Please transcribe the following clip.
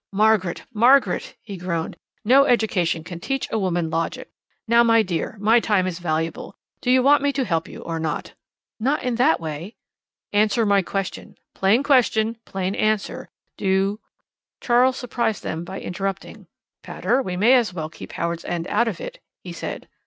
"Margaret! Margaret!" he groaned. "No education can teach a woman logic. Now, my dear, my time is valuable. Do you want me to help you or not?" "Not in that way." "Answer my question. Plain question, plain answer. Do " Charles surprised them by interrupting. "Pater, we may as well keep Howards End out of it," he said.